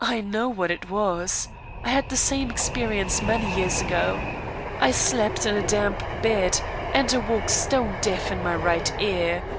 I know what it was. I had the same experience many years ago. I slept in a damp bed, and awoke stone deaf in my right ear.